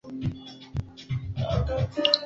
Mwalimu wake ni mtanashati